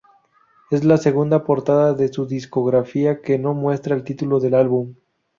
Es la segunda portada de su discografía que no muestra el titulo del álbum.